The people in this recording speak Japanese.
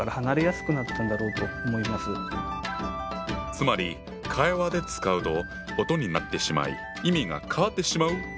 つまり会話で使うと音になってしまい意味が変わってしまうってことか。